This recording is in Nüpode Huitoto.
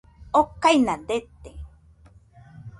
okaina dete